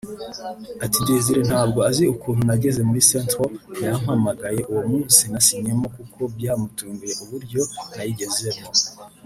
Ati “Desire ntabwo azi ukuntu nageze muri Saint-Trond yampamagaye uwo munsi nasinyemo kuko byamutunguye uburyo nayigezemo